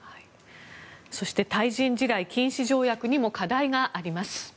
そして対人地雷禁止条約にも課題があります。